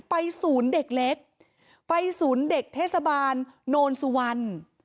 ศูนย์เด็กเล็กไปศูนย์เด็กเทศบาลโนนสุวรรณ